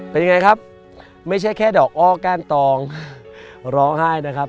เป็นยังไงครับไม่ใช่แค่ดอกอ้อก้านตองร้องไห้นะครับ